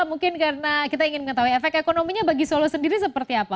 mungkin karena kita ingin mengetahui efek ekonominya bagi solo sendiri seperti apa